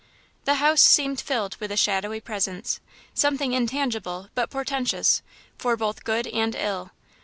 The house seemed filled with a shadowy presence something intangible, but portentous, for both good and ill.